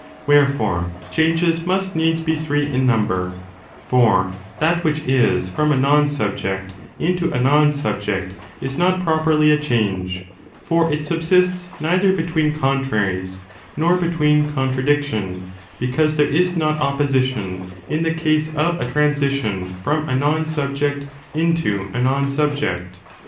Wherefore, changes must needs be three in number ; for that which is from a non subject into a non subject is not properly a change, for it subsists ^ neither between contraries nor between contradiction, because there is not opposition in the case of a transition from a non subject into a non subject.